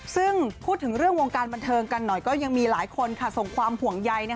ซึ่งพูดถึงเรื่องวงการบันเทิงกันหน่อยก็ยังมีหลายคนส่งความห่วงใย